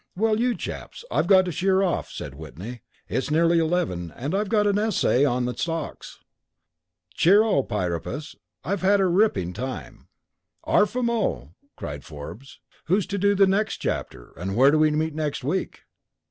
"Well, you chaps, I've got to sheer off," said Whitney. "It's nearly eleven and I've got an essay on the stocks. Cheer o Priapus, I've had a ripping time." "'Arf a mo,'" cried Forbes. "Who's to do the next chapter, and where do we meet next week?"